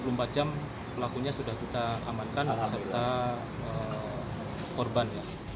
belum satu x dua puluh empat jam pelakunya sudah kita amankan serta korban